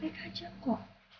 baik baik aja kok